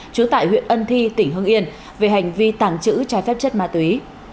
trú tại huyện ân thi tỉnh hương yên về hành vi tàng trữ trái phép chất ma túy